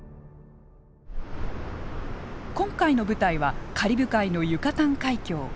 今回の舞台はカリブ海のユカタン海峡。